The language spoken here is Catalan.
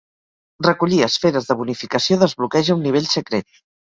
Recollir esferes de bonificació desbloqueja un nivell secret.